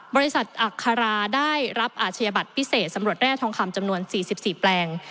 บริษัทอัคราได้รับอาชญาบัตรพิเศษสำรวจแร่ทองคำจำนวน๔๔แปลง